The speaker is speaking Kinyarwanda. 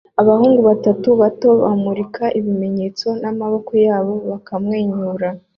Abahungu batatu bato bamurika ibimenyetso n'amaboko yabo bakamwenyura